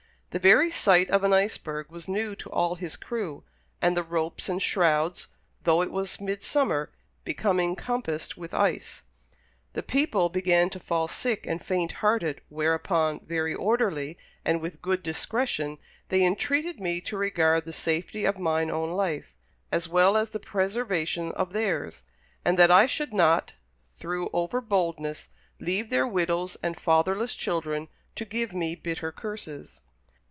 The very sight of an iceberg was new to all his crew; and the ropes and shrouds, though it was midsummer, becoming compassed with ice, "The people began to fall sick and faint hearted whereupon, very orderly, and with good discretion, they entreated me to regard the safety of mine own life, as well as the preservation of theirs; and that I should not, through over boldness, leave their widows and fatherless children to give me bitter curses.